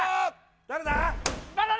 誰だ？